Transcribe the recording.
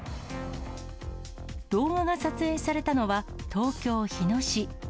動画が撮影されたのは、東京・日野市。